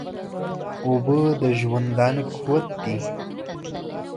اوبه د ژوندانه قوت دي